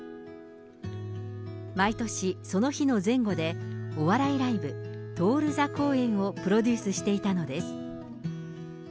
毎年、その日の前後で、お笑いライブ、徹☆座公演をプロデュースしていたのです。